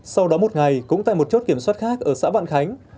sau đó một ngày cũng tại một chốt kiểm soát khác ở xã vạn khánh